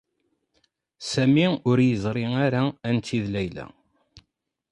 Sami ur yeẓṛi ara anta i d Layla.